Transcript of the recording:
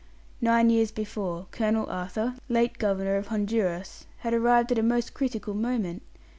Nine years before, Colonel Arthur, late Governor of Honduras, had arrived at a most critical moment.